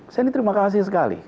saya ini terima kasih sekali